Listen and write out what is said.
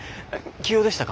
急用でしたか？